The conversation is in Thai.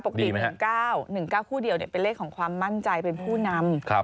ปกติ๑๙๑๙คู่เดียวเป็นเลขของความมั่นใจเป็นผู้นำ